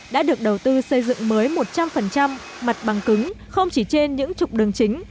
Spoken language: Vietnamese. đã được đầu tư xây dựng mới một trăm linh mặt bằng cứng không chỉ trên những trục đường chính